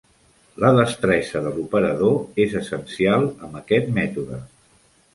La destresa de l'operador és essencial amb aquest mètode.